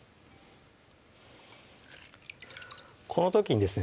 この時にですね